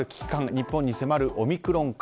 日本に迫るオミクロン株。